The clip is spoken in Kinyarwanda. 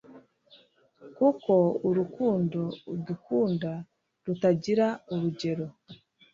kuko urukundo adukunda rutagira urugero